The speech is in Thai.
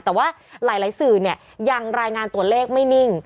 แต่ว่าหลายสื่อยังรายงานตัวเลขไม่นิ่ง